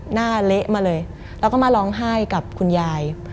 เละมาเลยแล้วก็มาร้องไห้กับคุณยาย